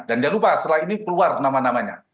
dan jangan lupa setelah ini keluar nama namanya